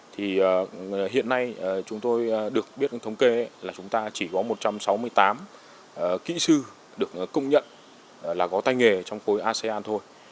thì hiện nay chúng tôi được biết thống kê là chúng ta chỉ có một trăm sáu mươi tám kỹ sư được công nhận là có tay nghề trong khối asean thôi